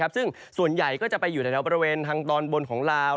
ซึ่งส่วนใหญ่ก็จะไปอยู่ในแถวบริเวณทางตอนบนของลาว